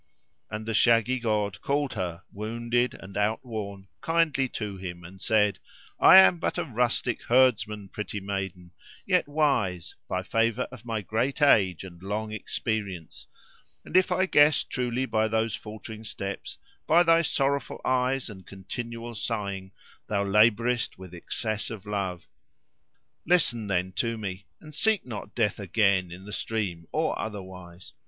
And the shaggy god called her, wounded and outworn, kindly to him and said, "I am but a rustic herdsman, pretty maiden, yet wise, by favour of my great age and long experience; and if I guess truly by those faltering steps, by thy sorrowful eyes and continual sighing, thou labourest with excess of love. Listen then to me, and seek not death again, in the stream or otherwise.